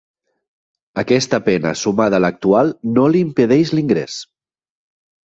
Aquesta pena, sumada a l’actual, no li impedeix l’ingrés.